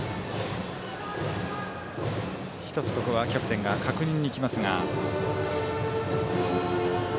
ここはキャプテンが確認に行きました。